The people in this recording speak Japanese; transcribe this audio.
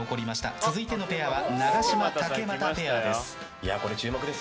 続いてのペアは永島、竹俣ペアです。